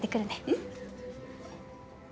うん。